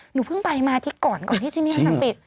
หนูเพิ่งไปมาทีก่อนก่อนที่จินเมียสั่งปิด